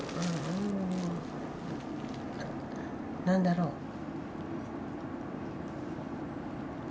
何だろう。